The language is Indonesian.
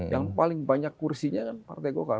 yang paling banyak kursinya kan partai golkar